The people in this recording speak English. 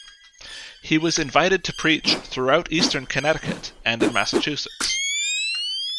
He was invited to preach throughout eastern Connecticut and in Massachusetts.